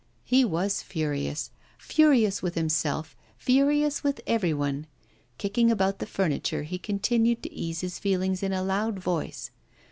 He was furious furious with himself, furious with everyone. Kicking about the furniture, he continued to ease his feelings in a loud voice.